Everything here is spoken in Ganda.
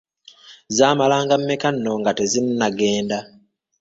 Zaamalanga mmeka nno nga tezinagenda!